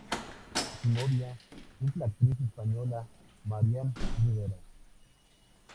Su novia es la actriz española Marian Rivera.